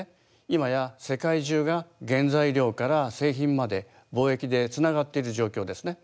今や世界中が原材料から製品まで貿易でつながっている状況ですね。